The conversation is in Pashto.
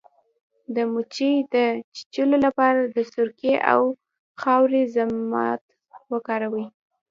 د مچۍ د چیچلو لپاره د سرکې او خاورې ضماد وکاروئ